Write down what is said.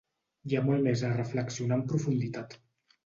Hi ha molt més a reflexionar en profunditat.